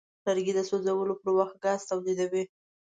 لرګی د سوځولو پر وخت ګاز تولیدوي.